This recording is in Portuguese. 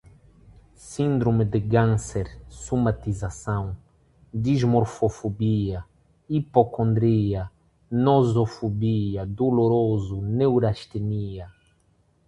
síndrome de ganser, somatização, dismorfofobia, hipocondria, nosofobia, doloroso, neurastenia